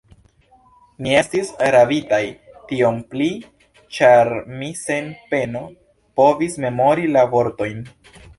Ni estis ravitaj, tiom pli, ĉar mi sen peno povis memori la vortojn.